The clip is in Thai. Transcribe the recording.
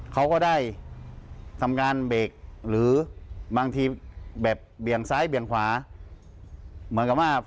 เขาก็ได้ทำการเบรกหรือบางทีแบบเบี่ยงซ้ายเบี่ยงขวา